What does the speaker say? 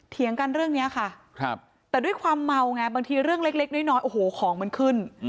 เถียงกันเรื่องนี้ค่ะแต่ด้วยความเมาไงบางทีเรื่องเล็กน้อยโอ้โหของมันขึ้น